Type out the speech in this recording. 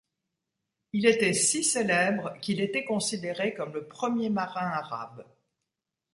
Il était si célèbre qu'il était considéré comme le premier marin arabe.